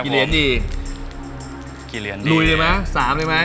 ลุยดีหรือไหม๓ดีไหม